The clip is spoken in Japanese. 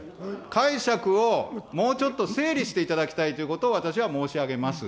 解釈をもうちょっと整理していただきたいということを私は申し上げます。